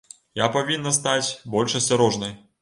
Я павінна стаць больш асцярожнай.